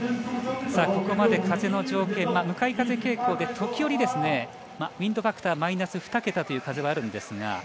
ここまで風の条件向かい風傾向で時折ウインドファクターマイナス２桁という風はあるんですが。